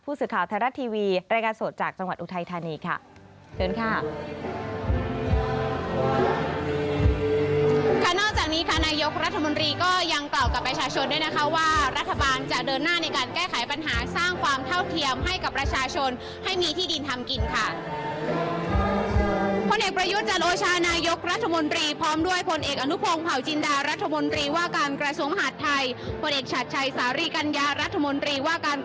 ผู้สื่อข่าวธนรัฐทีวีรายการโสดจากจังหวัดอุทัยธานี